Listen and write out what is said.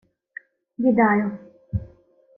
— Відаю.